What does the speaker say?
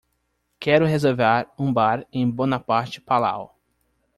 Quero reservar um bar em Bonaparte Palau.